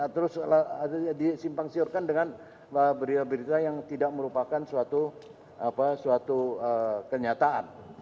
terus disimpang siurkan dengan berita berita yang tidak merupakan suatu kenyataan